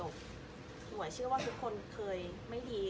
หวยเชื่อว่าทุกคนเคยไม่ดี